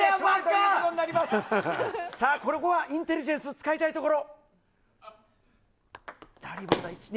ここはインテリジェンスを使いたいところ！